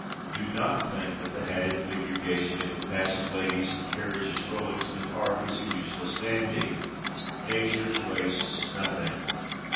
Do not think that hatted figure gazing at the passing ladies and carriages rolling to the Park is a useless dandy. Nature wastes nothing.